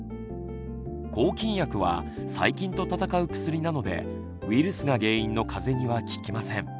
抗菌薬は細菌と闘う薬なのでウイルスが原因のかぜには効きません。